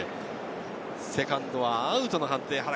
セカンドアウトの判定。